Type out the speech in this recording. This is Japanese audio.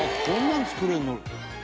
「こんなの作れるの？」